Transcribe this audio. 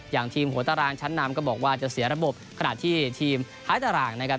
อย่างทีมหัวตารางชั้นนำก็บอกว่าจะเสียระบบขณะที่ทีมท้ายตารางนะครับ